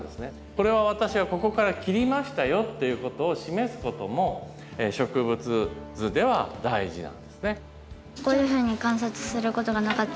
これは私はここから切りましたよっていうことを示すことも植物図では大事なんですね。